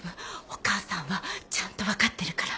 お母さんはちゃんと分かってるから。